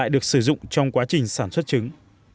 được chất trứng